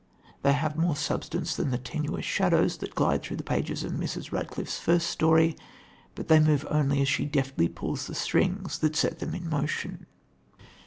They have more substance than the tenuous shadows that glide through the pages of Mrs. Radcliffe's first story, but they move only as she deftly pulls the strings that set them in motion.